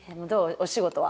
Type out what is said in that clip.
お仕事は。